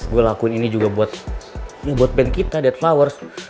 gue lakuin ini juga buat ya buat band kita dead flowers